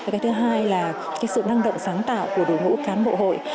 cái thứ hai là sự năng động sáng tạo của đội ngũ cán bộ hội